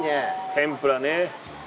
天ぷらね。